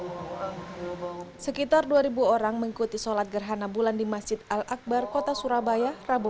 sekitar dua ribu orang mengikuti sholat gerhana bulan di masjid al akbar kota surabaya rabu